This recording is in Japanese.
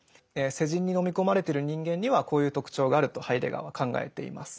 世人に飲み込まれてる人間にはこういう特徴があるとハイデガーは考えています。